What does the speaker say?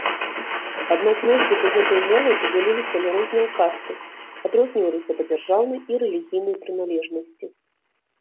Аднак носьбіты гэтай мовы падзяляліся на розныя касты, адрозніваліся па дзяржаўнай і рэлігійнай прыналежнасці.